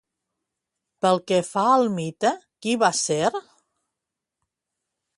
Pel que fa al mite, qui va ser?